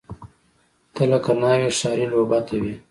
ته لکه ناوۍ، ښاري لعبته وې